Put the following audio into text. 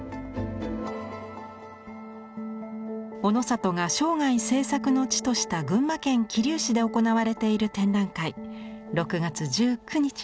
オノサトが生涯制作の地とした群馬県桐生市で行われている展覧会。